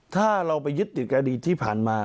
ถ้าเราไปยึดติดอดีตที่ผ่านมา